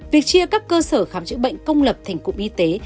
việc chia các cơ sở khám chữa bệnh công lập thành cụm y tế